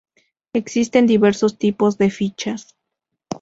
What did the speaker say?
Existen diversos tipos de fichas.